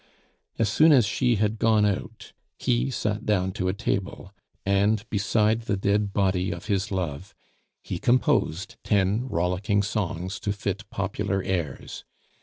As soon as she had gone out, he sat down to a table, and beside the dead body of his love he composed ten rollicking songs to fit popular airs.